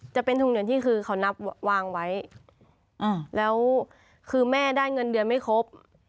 จะเป็นทุนเดือนที่คือเขานับวางไว้แล้วคือแม่ได้เงินเดือนไม่ครบ